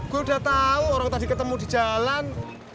gue udah tau orang tadi ketemu di jalan